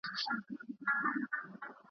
د آدم خان د ربابي اوښکو مزل نه یمه ,